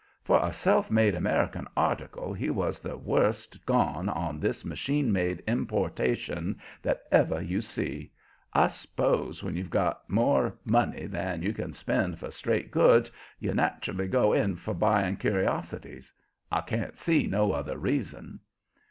For a self made American article he was the worst gone on this machine made importation that ever you see. I s'pose when you've got more money than you can spend for straight goods you nat'rally go in for buying curiosities; I can't see no other reason.